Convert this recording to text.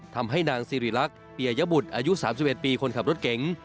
ทำให้นางสิริรักษ์เปียบุตรอายุ๓๑ปีคนขับรถเก๋ง